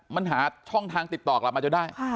มันหาช่องทางติดต่อกลับมาจนได้